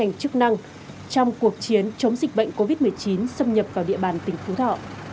ngành chức năng trong cuộc chiến chống dịch bệnh covid một mươi chín xâm nhập vào địa bàn tỉnh phú thọ